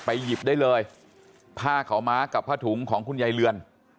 หยิบได้เลยผ้าขาวม้ากับผ้าถุงของคุณยายเรือน